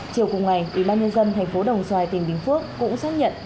chiều cùng ngày ubnd tp đồng xoài tỉnh bình phước cũng xác nhận